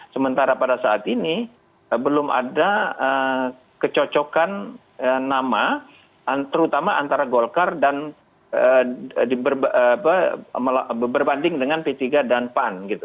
sementara pada saat ini belum ada kecocokan nama terutama antara golkar dan berbanding dengan p tiga dan pan